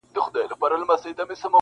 • قدردانو کي مي ځان قدردان وینم..